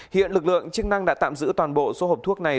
hiện lực lượng chức năng đã tạm giữ toàn bộ số hộp thuốc này